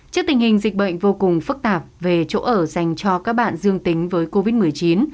trước tình hình dịch bệnh vô cùng phức tạp về chỗ ở dành cho các bạn dương tính với covid một mươi chín